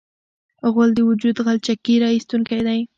غول د وجود غلچکي راایستونکی دی.